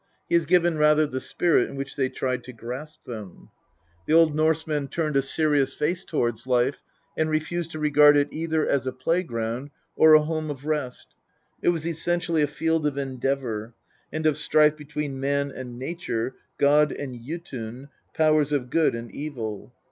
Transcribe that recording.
He has given rather the spirit in which they tried to grasp them. The Old Norsemen turned a serious face towards life, and refused to regard it either as a playground or a home of rest ; it was essentially a field of endeavour and of strife between man and nature, god and Jotun, powers of good and evil.